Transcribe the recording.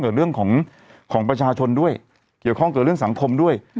เรื่องของของประชาชนด้วยเกี่ยวข้องกับเรื่องสังคมด้วย